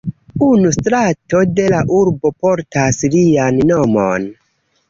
Unu strato de la urbo portas lian nomon.